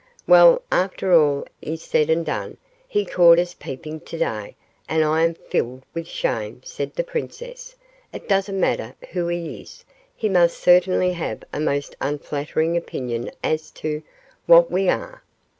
"Well, after all is said and done, he caught us peeping to day, and I am filled with shame," said the princess. "It doesn't matter who he is, he must certainly have a most unflattering opinion as to what we are."